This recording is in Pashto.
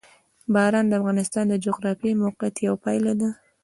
باران د افغانستان د جغرافیایي موقیعت یوه پایله ده.